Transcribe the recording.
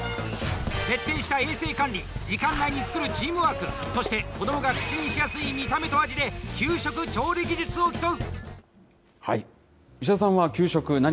徹底した衛生管理、時間内に作るチームワーク、そして、子どもが口にしやすい見た目と味で、給食調理技術を競う。